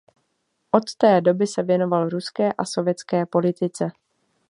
Od té doby se věnoval ruské a sovětské politice.